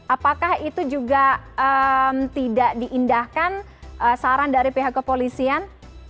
apakah itu juga tidak diindahkan saran dari pihak kepolisian